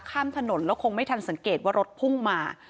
ข้ามถนนแล้วคงไม่ทันสังเกตว่ารถพุ่งมา